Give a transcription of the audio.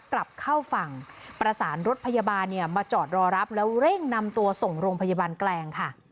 กลับเข้าฝั่งประสานรถพยาบาลมาจอดรอรับแล้วเร่งนำตัวส่งโรงพยาบาลแกลงค่ะ